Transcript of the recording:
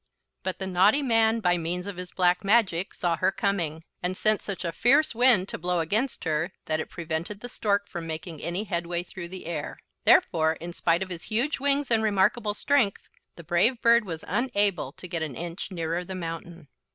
But the naughty man, by means of his black magic, saw her coming, and sent such a fierce wind to blow against her that it prevented the Stork from making any headway through the air. Therefore, in spite of his huge wings and remarkable strength, the brave bird was unable to get an inch nearer the mountain.